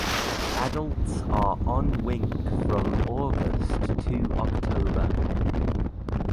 Adults are on wing from August to October.